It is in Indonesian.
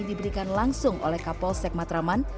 diberikan langsung oleh kapolsek matraman